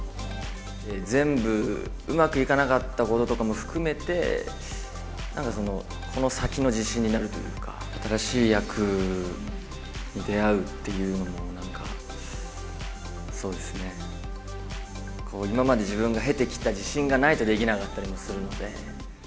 全部、うまくいかなかったこととかも含めて、この先の自信になるというか、新しい役に出会うっていうのもなんか、そうですね、今まで自分が経てきた自信がないとできなかったりもするので。